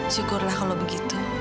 syukurlah kalo begitu